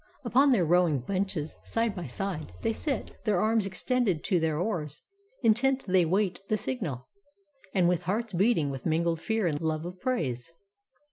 Upon their rowing benches, side by side. They sit, their arms extended to their oars; Intent they wait the signal, and with hearts Beating with mingled fear and love of praise.